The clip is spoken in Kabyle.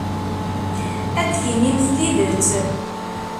Ad d-tinimt tidet.